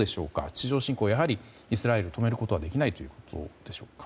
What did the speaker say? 地上侵攻やはりイスラエル、止めることはできないということでしょうか。